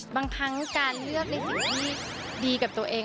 บางครั้งการเลือกในสิ่งที่ดีกับตัวเอง